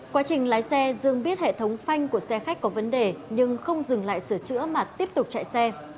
quá trình lái xe dương biết hệ thống phanh của xe khách có vấn đề nhưng không dừng lại sửa chữa mà tiếp tục chạy xe